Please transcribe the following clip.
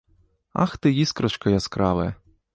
Ах ты, іскрачка яскравая!